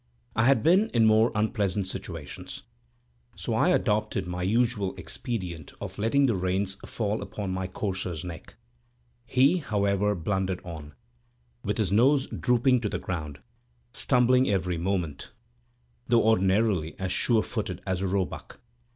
I had been in more unpleasant situations; so I adopted my usual expedient of letting the reins fall upon my courser's neck. He, however, blundered on, with his nose drooping to the ground, stumbling every moment, though ordinarily as surefooted as a roebuck.